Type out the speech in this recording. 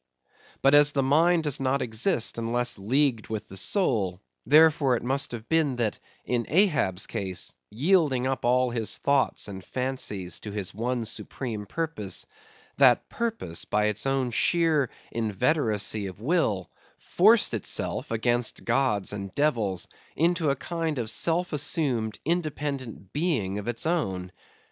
But as the mind does not exist unless leagued with the soul, therefore it must have been that, in Ahab's case, yielding up all his thoughts and fancies to his one supreme purpose; that purpose, by its own sheer inveteracy of will, forced itself against gods and devils into a kind of self assumed, independent being of its own.